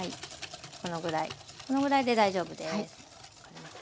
このぐらいこのぐらいで大丈夫です。